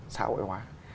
xã hội hóa